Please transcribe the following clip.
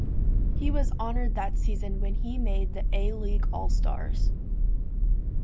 He was honored that season when he made the A League all stars.